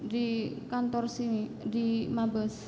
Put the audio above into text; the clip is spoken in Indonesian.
di kantor sini di mabes